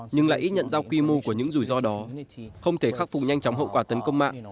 nhưng lại ít nhận ra quy mô của những rủi ro đó không thể khắc phục nhanh chóng hậu quả tấn công mạng